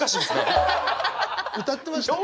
歌ってました。